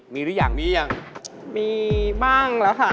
มีหรือยังมียังมีบ้างแล้วค่ะ